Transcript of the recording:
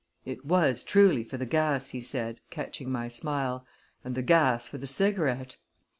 "It was truly for the gas," he said, catching my smile; "and the gas for the cigarette!"